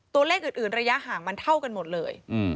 ตัวเลขอื่นระยะห่างมันเท่ากันหมดเลย